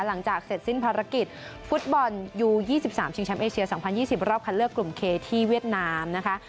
หลังจากเสร็จสิ้นภารกิจฟุตบอลยู๒๓ชิงแชมป์เอเชีย๒๐๒๐รอบคัดเลือกกลุ่มเคที่เวียดนามนะคะ